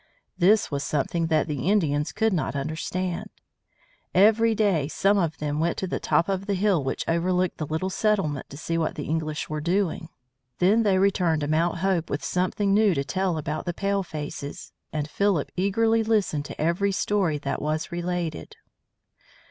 This was something that the Indians could not understand. Every day some of them went to the top of the hill which overlooked the little settlement to see what the English were doing. Then they returned to Mount Hope with something new to tell about the palefaces, and Philip eagerly listened to every story that was related.